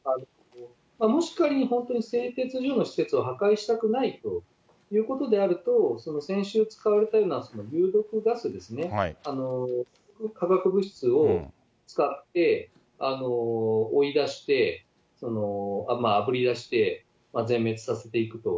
もし仮に本当に製鉄所の施設を破壊したくないということであると、その先週使われたような有毒ガスですね、化学物質を使って、追い出して、あぶり出して、全滅させていくと。